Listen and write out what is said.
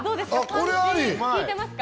これあり！